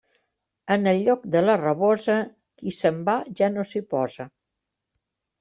En el lloc de la rabosa, qui se'n va ja no s'hi posa.